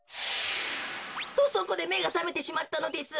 とそこでめがさめてしまったのです。